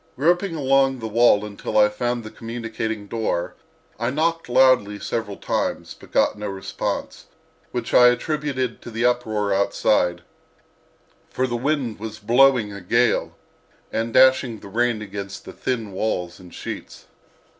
Groping along the wall until I found the communicating door I knocked loudly several times, but got no response, which I attributed to the uproar outside, for the wind was blowing a gale and dashing the rain against the thin walls in sheets.